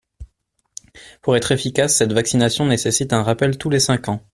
Pour être efficace, cette vaccination nécessite un rappel tous les cinq ans.